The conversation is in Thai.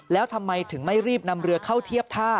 แล้วทำไมถึงไม่รีบนำเรือเข้าเทียบท่า